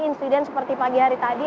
insiden seperti pagi hari tadi